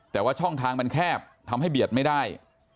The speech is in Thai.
แต่ว่าช่องทางมันแคบทำให้เบียดไม่ได้